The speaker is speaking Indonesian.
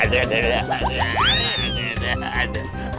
aduh aduh aduh aduh